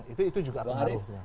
itu juga apa pak arief